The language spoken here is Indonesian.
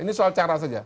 ini soal cara saja